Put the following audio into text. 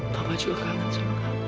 bapak juga kangen sama kamu sayang